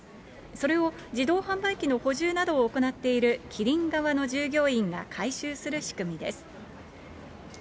それを自動販売機の補充などを行っているキリン側の従業員が回収する仕組みです。